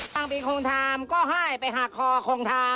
บางทีคงทามก็ให้ไปหักคอคงทาม